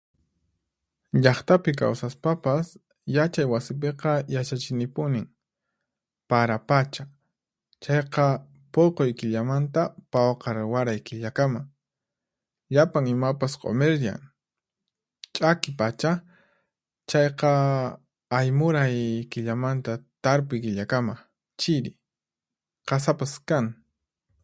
Llaqtapi kawsaspapas, yachay wasipiqa yachachinipunin: Para pacha, chayqa puquy killamanta pawqar waray killakama, llapan imapas q'umiryan. Ch'aki pacha, chayqa aymuray killamanta tarpuy killakama, chiri, qasapas kan.